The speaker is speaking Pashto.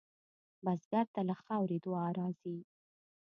بزګر ته له خاورې دعا راځي